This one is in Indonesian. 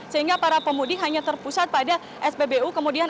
sehingga para pemudi hanya terpusat pada spbu kemudian antrian semakin panjang